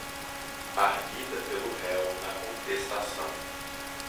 arguida pelo réu na contestação.